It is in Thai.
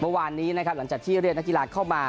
เมื่อวานนี้นะครับหลังจากที่เรียกนักกีฬาเข้ามา